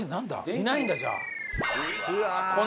いないんだじゃあ。